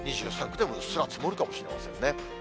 ２３区でもうっすら積もるかもしれませんね。